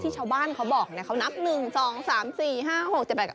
ที่ชาวบ้านเขาบอกเขานับหนึ่งสองสามสี่ห้าหกชัย๘๐๐